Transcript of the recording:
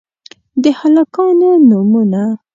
د هلکانو نومونه: